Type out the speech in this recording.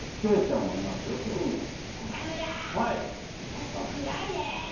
ここ暗いねえ。